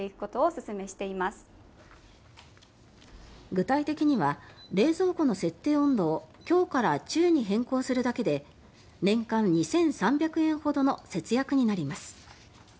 具体的には冷蔵庫の設定温度を強から中に変更するだけで年間２３００円ほどの節約になります。